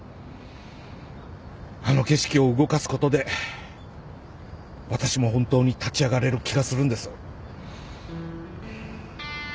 あの景色を動かすことで私も本当に立ち上がれる気がするんです